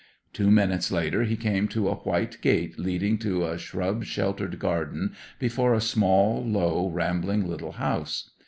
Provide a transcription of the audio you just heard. Two minutes later he came to a white gate leading to a shrub sheltered garden before a small, low, rambling little house.